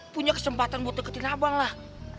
punya kesempatan buat deketin abang lah